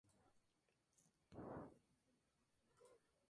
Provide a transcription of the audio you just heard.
Equivale a una especie de grifo mitológico.